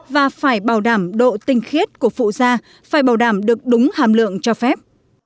và phải bảo đảm độ tinh khiết của phụ da phải bảo đảm được đúng hàm lượng cho phép